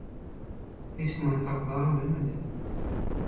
Hiç kim ony saklabam bilmedi.